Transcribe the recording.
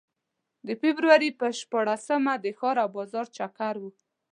د فبروري په شپاړسمه د ښار او بازار چکر و.